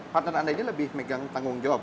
partner anda ini lebih megang tanggung jawab